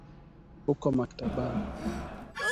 Huko maktabani